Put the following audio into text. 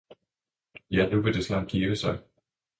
Ja nu vil det snart give sig.